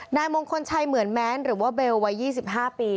นายมงคลชัยเหมือนแม้นหรือว่าเบลวัย๒๕ปี